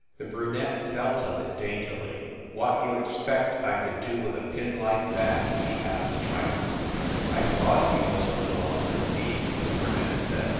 The brunette felt of it daintily. "Wot you expect I could do with a pin like that?" he asked triumphantly. "I thought you was a little off your feed," the brunette said.